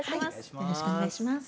よろしくお願いします。